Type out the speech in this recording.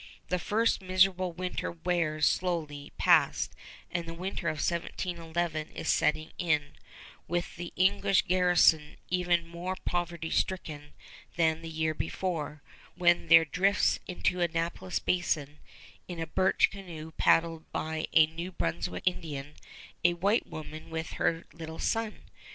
The first miserable winter wears slowly past and the winter of 1711 is setting in, with the English garrison even more poverty stricken than the year before, when there drifts into Annapolis Basin, in a birch canoe paddled by a New Brunswick Indian, a white woman with her little son.